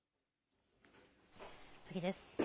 次です。